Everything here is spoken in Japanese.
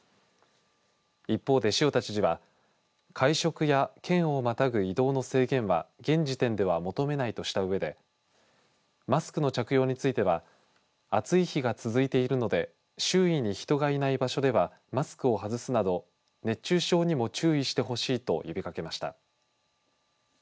一方で塩田知事は会食や県をまたぐ移動の制限は現時点では求めないとしたうえでマスクの着用については暑い日が続いているので周囲に人がいない場所ではマスクを外すなど熱中症にも注意してほしいと呼びかけました。